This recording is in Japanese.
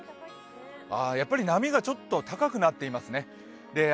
波がちょっと高くなっていますね。